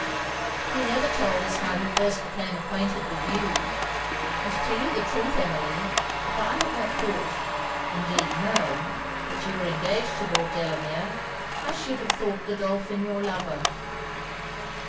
'He never told us how he first became acquainted with you; and to tell you the truth Emmeline, if I had not thought, indeed known, that you was engaged to Lord Delamere, I should have thought Godolphin your lover.'